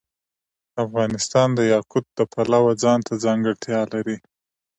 افغانستان د یاقوت د پلوه ځانته ځانګړتیا لري.